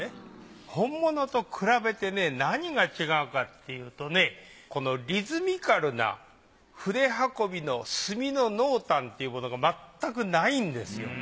本物と比べて何が違うかっていうとねこのリズミカルな筆運びの墨の濃淡というものがまったくないんですよ。